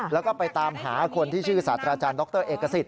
แล้วก็ไปตามหาคนที่ชื่อศาสตราจารย์ดรเอกสิท